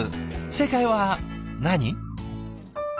正解は何？